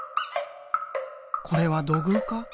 これは土偶か？